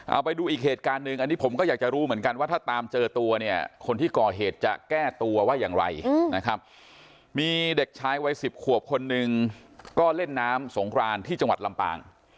เอาไปดูอีกเหตุการณ์หนึ่งอันนี้ผมก็อยากจะรู้เหมือนกันว่าถ้าตามเจอตัวเนี่ยคนที่ก่อเหตุจะแก้ตัวว่าอย่างไรนะครับมีเด็กชายวัยสิบขวบคนหนึ่งก็เล่นน้ำสงครานที่จังหวัดลำปาง